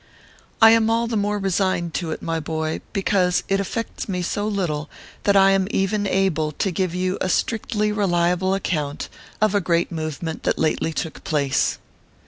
I am all the more resigned to it, my boy, because it affects me so little that I am even able to give you a strictly reliable account of a great movement that lately took place.